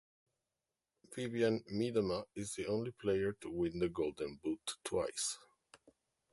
Vivianne Miedema is the only player to win the Golden Boot twice.